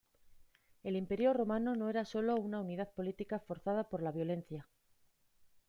El Imperio romano no era sólo una unidad política forzada por la violencia.